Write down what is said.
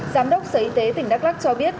giám đốc sở y tế tỉnh đắk lắc cho biết